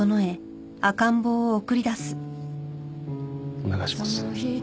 お願いします。